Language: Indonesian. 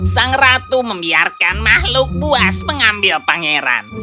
sang ratu membiarkan makhluk puas mengambil pangeran